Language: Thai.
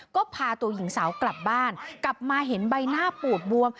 ก็พาตัวหญิงสาวกลับบ้านกลับมาเห็นใบหน้าปูดบวม